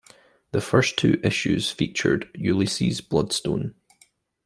The first two issues featured Ulysses Bloodstone.